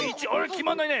きまんないね。